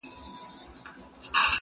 خلاصه خوله کي دوه غاښونه ځلېدلي-